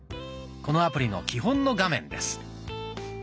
このアプリの基本の画面です。